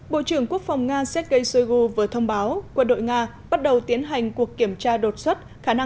bộ trưởng quốc phòng nga sergei shoigu vừa thông báo quân đội nga bắt đầu tiến hành cuộc kiểm tra đột xuất khả năng